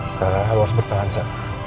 salah hal lu harus bertahan sa